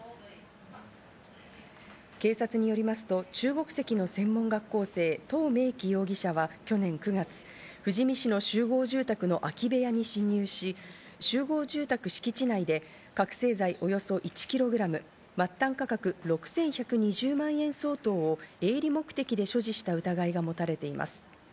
警察によりますと、中国籍の専門学校生、トウ・メイキ容疑者は去年９月、富士見市の集合住宅の空き部屋に侵入し、集合住宅敷地内で覚醒剤およそ１キログラム、末端価格６１２０万円相当を営利目的で所持した疑いが持たれています。